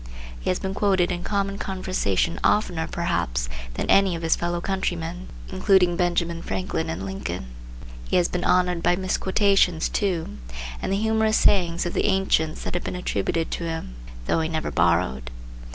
He has been quoted in common conversation oftener, perhaps, than any of his fellow countrymen, including Benjamin Franklin and Lincoln. He has been honored by misquotation, too, and the humorous sayings of the ancients have been attributed to him, though he never borrowed.